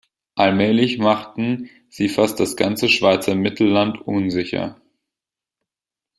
Allmählich machten sie fast das ganze Schweizer Mittelland unsicher.